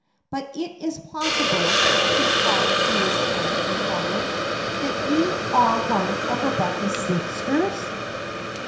But is it possible," he cried to his kind informer, "that you are one of Rebecca's sisters?"